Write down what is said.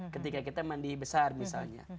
ketika kita mandi besar misalnya